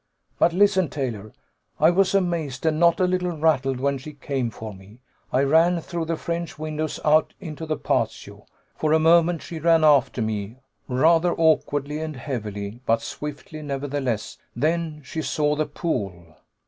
But listen, Taylor. I was amazed, and not a little rattled when she came for me. I ran through the French windows out into the patio. For a moment she ran after me, rather awkwardly and heavily, but swiftly, nevertheless. Then she saw the pool.